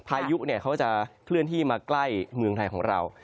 พายุเขาจะเคลื่อนที่มาใกล้เมืองไทยของเรา